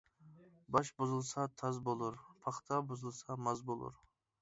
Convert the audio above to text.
باش بۇزۇلسا تاز بولۇر، پاختا بۇزۇلسا ماز بولۇر.